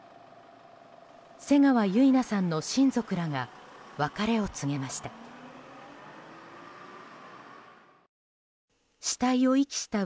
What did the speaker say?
瀬川結菜さんの親族らが別れを告げました。